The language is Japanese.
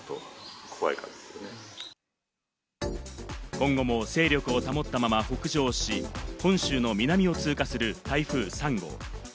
今後も勢力を保ったまま北上し、本州の南を通過する台風３号。